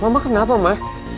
mama kenapa mama